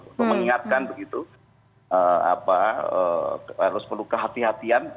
untuk mengingatkan begitu harus perlu kehati hatian